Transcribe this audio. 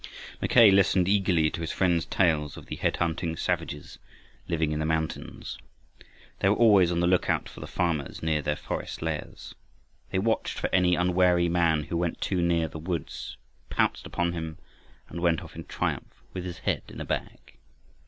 Mackay listened eagerly to his friends' tales of the head hunting savages, living in the mountains. They were always on the lookout for the farmers near their forest lairs. They watched for any unwary man who went too near the woods, pounced upon him, and went off in triumph with his head in a bag.